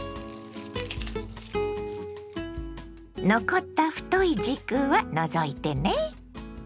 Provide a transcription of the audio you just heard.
残った太い軸は除いてね。